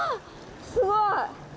すごい！